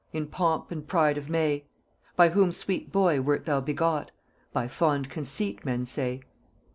"In pomp and pride of May." "By whom sweet boy wert thou begot?" "By Fond Conceit men say."